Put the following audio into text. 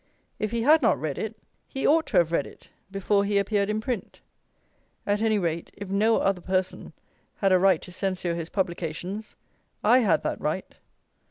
If he had not read it, he ought to have read it, before he appeared in print. At any rate, if no other person had a right to censure his publications, I had that right.